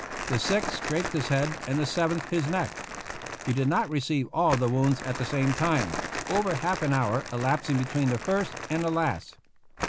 The sixth scraped his head and the seventh his neck. He did not receive all of the wounds at the same time, over half an hour elapsing be tween the first and the last.